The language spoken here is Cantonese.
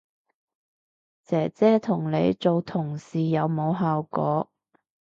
姐姐同你做同事有冇效果